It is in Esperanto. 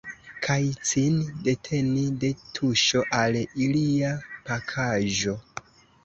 Kaj cin deteni de tuŝo al ilia pakaĵo.